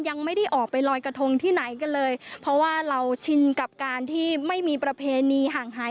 ยังไม่ได้ออกไปลอยกระทงที่ไหนกันเลยเพราะว่าเราชินกับการที่ไม่มีประเพณีห่างหาย